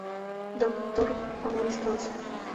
Doctor Honoris Causa.